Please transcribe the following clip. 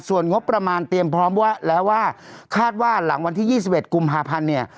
ส่วนงบประมาณเตรียมพร้อมแล้วว่าคาดว่าหลังวันที่๒๑กุมภาพันธ์เนี่ย